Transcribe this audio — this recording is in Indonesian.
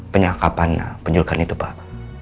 penyakapan penjurkan itu pak